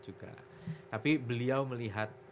juga tapi beliau melihat